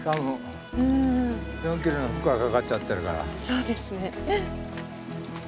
そうですね。